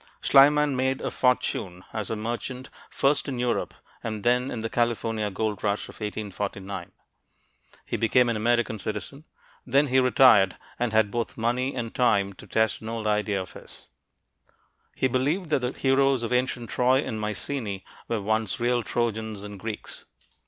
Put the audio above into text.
Schliemann made a fortune as a merchant, first in Europe and then in the California gold rush of 1849. He became an American citizen. Then he retired and had both money and time to test an old idea of his. He believed that the heroes of ancient Troy and Mycenae were once real Trojans and Greeks.